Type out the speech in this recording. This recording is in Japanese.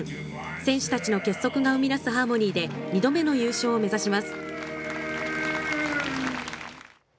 選手たちの結束が生み出すハーモニーで、２度目の優勝を目指します。